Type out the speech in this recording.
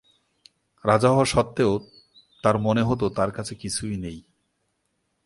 রাজা হওয়া সত্ত্বেও, তার মনে হতো তার কাছে কিছুই নেই।